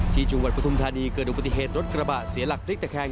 จังหวัดปฐุมธานีเกิดอุบัติเหตุรถกระบะเสียหลักพลิกตะแคง